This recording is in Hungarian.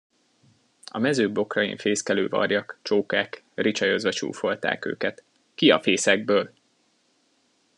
A mező bokrain fészkelő varjak, csókák ricsajozva csúfolták őket: Ki a fészekből!